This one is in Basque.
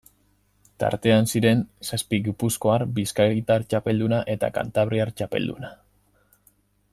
Tartean ziren zazpi gipuzkoar, bizkaitar txapelduna eta kantabriar txapelduna.